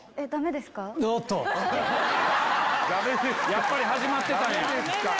やっぱり始まってたんや。